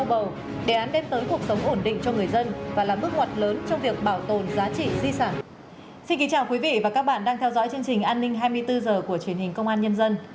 xin kính chào quý vị và các bạn đang theo dõi chương trình an ninh hai mươi bốn h của truyền hình công an nhân dân